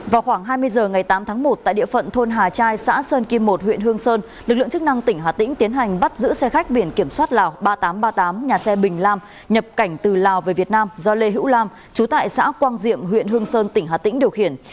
vào khoảng hai mươi h ngày tám tháng một tại địa phận thôn hà trai xã sơn kim một huyện hương sơn lực lượng chức năng tỉnh hà tĩnh tiến hành bắt giữ xe khách biển kiểm soát lào ba nghìn tám trăm ba mươi tám nhà xe bình lam nhập cảnh từ lào về việt nam do lê hữu lam trú tại xã quang diệm huyện hương sơn tỉnh hà tĩnh điều khiển